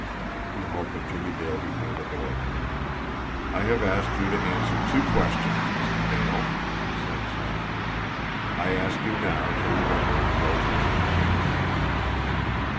He halted Jimmie Dale before the door. "I have asked you to answer two questions, Mr. Dale," he said softly. "I ask you now to remember the alternative."